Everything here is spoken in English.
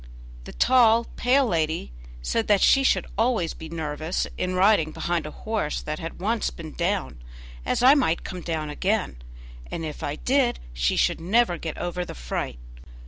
The tall, pale lady said that she should always be nervous in riding behind a horse that had once been down, as I might come down again, and if I did she should never get over the fright.